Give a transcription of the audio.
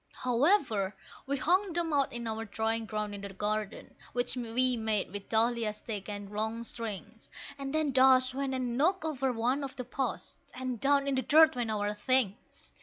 However, we hung them out in our drying ground in the garden, which we made with dahlia sticks and long strings, And then Dash went and knocked over one of the posts, and down in the dirt went our things!